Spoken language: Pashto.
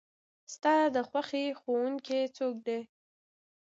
ستا د خوښې ښوونکي څوک دی؟